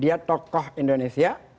dia tokoh indonesia